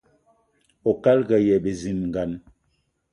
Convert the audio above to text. Oukalga aye bizilgan.